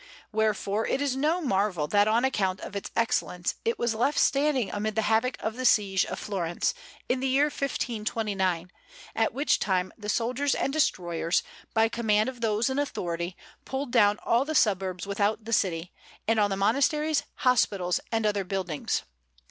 Wherefore it is no marvel that on account of its excellence it was left standing amid the havoc of the siege of Florence, in the year 1529, at which time the soldiers and destroyers, by command of those in authority, pulled down all the suburbs without the city, and all the monasteries, hospitals, and other buildings.